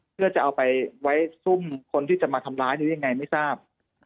เพื่อจะเอาไปไว้ซุ่มคนที่จะมาทำร้ายหรือยังไงไม่ทราบ